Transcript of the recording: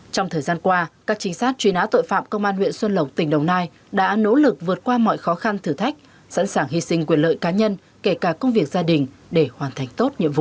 trong thời gian qua các trinh sát truy nã tội phạm công an huyện xuân lộc tỉnh đồng nai đã nỗ lực vượt qua mọi khó khăn thử thách sẵn sàng hy sinh quyền lợi cá nhân kể cả công việc gia đình để hoàn thành tốt nhiệm vụ